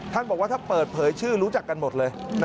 ท่านบอกว่าถ้าเปิดเผยชื่อรู้จักกันหมดเลย